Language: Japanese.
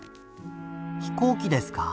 飛行機ですか。